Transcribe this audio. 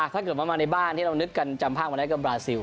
ถ้าเกิดว่ามาในบ้านที่เรานึกกันจำภาพมาได้ก็บราซิล